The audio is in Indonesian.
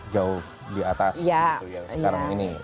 jauh di atas gitu ya sekarang ini